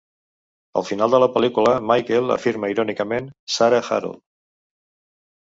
Al final de la pel·lícula, Michael afirma, irònicament, Sarah, Harold.